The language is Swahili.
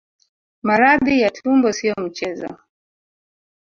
Maradhi ya tumbo sio mchezo